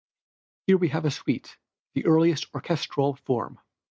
Here we have the suite, the earliest orchestral form.